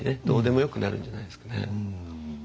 どうでもよくなるんじゃないですかね。